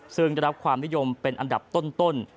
ซึ่งได้รับความนิยมเป็นอันดับต้น